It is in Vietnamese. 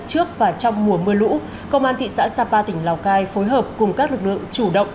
trước và trong mùa mưa lũ công an thị xã sapa tỉnh lào cai phối hợp cùng các lực lượng chủ động